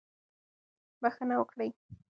بښنه وکړئ.